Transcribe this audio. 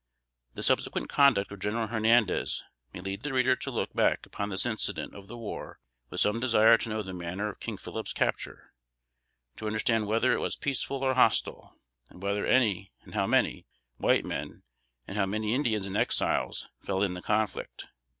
The subsequent conduct of General Hernandez may lead the reader to look back upon this incident of the war with some desire to know the manner of King Phillip's capture; to understand whether it was peaceful or hostile; and whether any, and how many, white men, and how many Indians and Exiles, fell in the conflict?